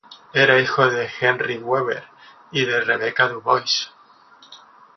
Era hijo de Henry Brewer y de Rebecca Du Bois.